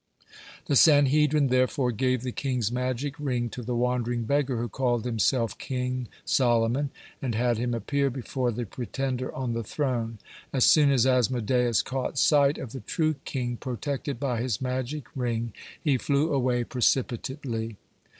(92) The Sanhedrin, therefore, gave the king's magic ring to the wandering beggar who called himself King Solomon, and had him appear before the pretender on the throne. As soon as Asmodeus caught sight of the true king protected by his magic ring, he flew away precipitately.